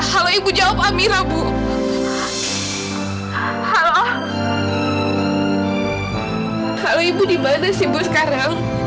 halo ibu jawab amira bu halo halo ibu dimana sih bu sekarang